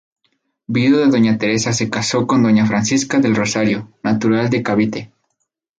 Viudo de doña Teresa se casó con Doña Francisca del Rosario, natural de Cavite.